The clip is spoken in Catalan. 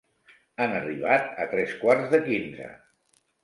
Han arribat a tres quarts de quinze.